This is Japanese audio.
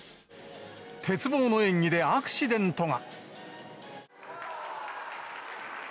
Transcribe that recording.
鉄棒の演技でアクシデントが。